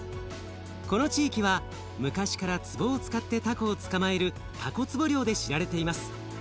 この地域は昔から壺を使ってたこを捕まえるたこ壺漁で知られています。